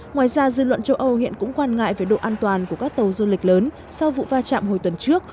ngoài ra dư luận châu âu hiện cũng quan ngại về độ an toàn của các tàu du lịch lớn sau vụ va chạm hồi tuần trước